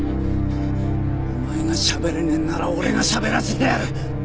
お前がしゃべれねえんなら俺がしゃべらせてやる。